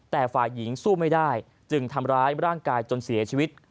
แต่ฝ่ายหญิงสู้ไม่ได้จึงทำร้ายร่างกายจนเสียชีวิต